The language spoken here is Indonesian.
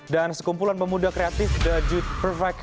dan sekumpulan pemuda kreatif the jude perfect